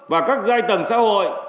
và các giai tầng xã hội